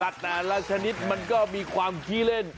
แต่ละชนิดมันก็มีความขี้เล่น